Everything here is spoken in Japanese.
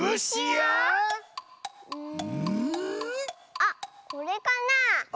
あっこれかなあ？